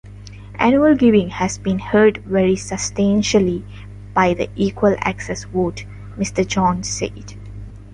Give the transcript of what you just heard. "Annual giving has been hurt very substantially by the equal-access vote," Mr. Jones said.